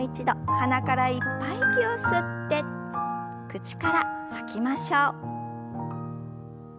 鼻からいっぱい息を吸って口から吐きましょう。